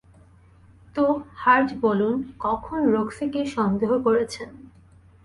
তো, হার্ট বলুন, কখনো রক্সিকে সন্দেহ করেছেন?